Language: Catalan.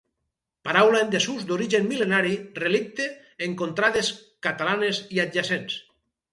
Paraula en desús d'origen mil·lenari, relicte en contrades catalanes i adjacents.